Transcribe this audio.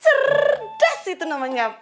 cerdas itu namanya